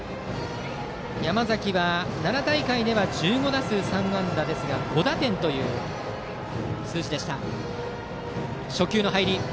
山崎は奈良大会では１５打数３安打ですが５打点という数字でした。